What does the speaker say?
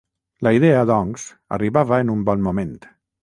La idea doncs, arribava en un bon moment.